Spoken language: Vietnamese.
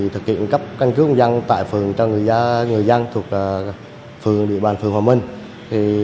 thực hiện cấp căn cứ công dân tại phường cho người dân thuộc phường địa bàn phường hòa minh